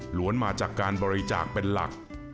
หวนมาจากการบริจาคเป็นหลัก